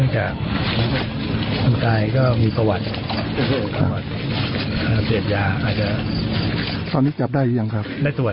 หลานนี้จับได้ยังครับ